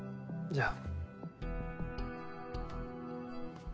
じゃあ。